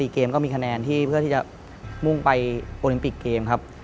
เกมก็มีคะแนนที่เพื่อที่จะมุ่งไปโอลิมปิกเกมครับ